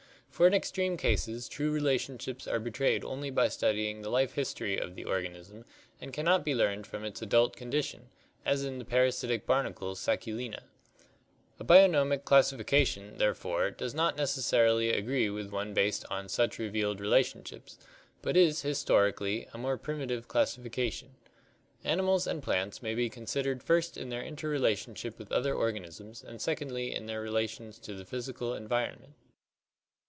For in extreme cases true relationships are betrayed only by study ing the life history of the organism and can not be learned from its adult condition, as in the parasitic barnacle Sacculina (see page 267). A bionomic classification, therefore, does not necessarily agree with one based on such revealed relationships, but is, historically, a more primitive classification. Animals and plants may be considered first in their interrela tionship with other organisms and secondly in their relations to the physical environment.